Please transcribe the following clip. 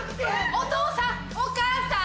お父さんお母さん？